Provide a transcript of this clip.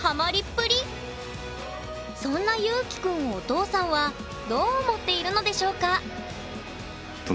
そんなＹｕｋｉくんをお父さんはどう思っているのでしょうか？